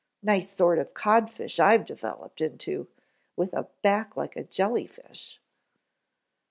"Nice sort of codfish I've developed into with a back like a jelly fish."